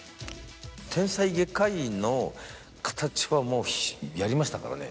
天才外科医の形はもうやりましたからねかなり。